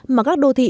mà các đô thị